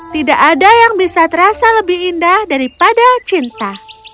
tidak ada yang bisa terasa lebih indah daripada cinta